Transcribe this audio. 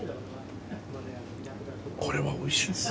これはおいしいです。